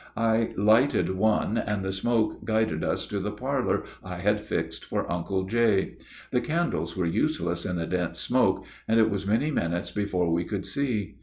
I lighted one, and the smoke guided us to the parlor I had fixed for Uncle J. The candles were useless in the dense smoke, and it was many minutes before we could see.